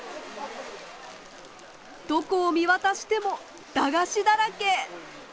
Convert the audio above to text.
どこを見渡しても駄菓子だらけ。